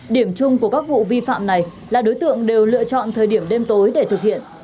điểm chung của các vụ vi phạm này là đối tượng đều lựa chọn thời điểm đêm tối để thực hiện